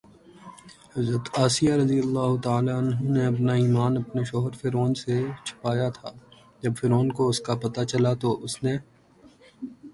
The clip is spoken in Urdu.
حضرت آسیہ رضی اللہ تعالٰی عنہا نے اپنا ایمان اپنے شوہر فرعون سے چھپایا تھا، جب فرعون کو اس کا پتہ چلا تو اس نے